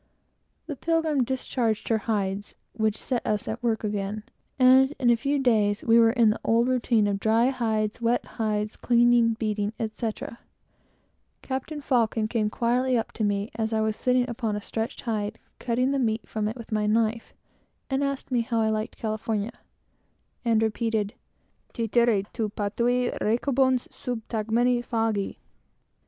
The Pilgrim discharged her hides, which set us at work again, and in a few days we were in the old routine of dry hides wet hides cleaning beating, etc. Captain Faucon came quietly up to me, as I was at work, with my knife, cutting the meat from a dirty hide, asked me how I liked California, and repeated "Tityre, tu patulae recubans sub tegmine fagi."